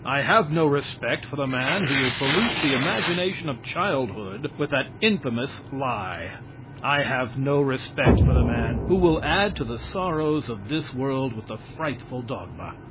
I have no respect for the man who will pollute the imagination of childhood with that infamous lie. I have no respect for the man who will add to the sorrows of this world with the frightful dogma.